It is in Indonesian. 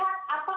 artinya itu ada